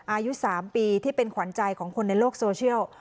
อายุ๓ปีที่เป็นขวัญใจของคนในโลกโซเชียล